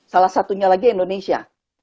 salah satunya lagi indonesia